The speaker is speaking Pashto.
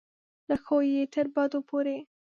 له ښو یې تر بدو پورې.